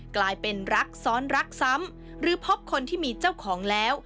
กลายเป็นรักซ้อนรักซ้ำหรือพบคนที่มีเจ้าของแล้ว